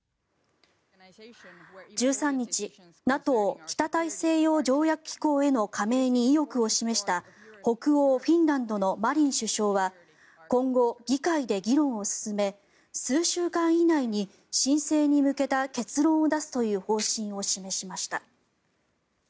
１３日ＮＡＴＯ・北大西洋条約機構への加盟に意欲を示した北欧フィンランドのマリン首相は今後、議会で議論を進め数週間以内に申請に向けた結論を出すという方針を示しました。